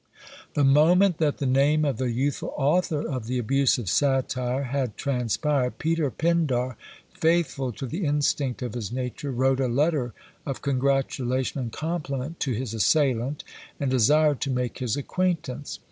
The moment that the name of the youthful author of the "Abuse of Satire" had transpired, Peter Pindar, faithful to the instinct of his nature, wrote a letter of congratulation and compliment to his assailant, and desired to make his acquaintance.